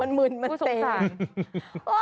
มันหมึนมันเต็ม